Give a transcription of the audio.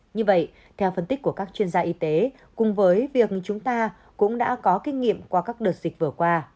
như vậy theo phân tích của các chuyên gia y tế cùng với việc chúng ta cũng đã có kinh nghiệm qua các đợt dịch vừa qua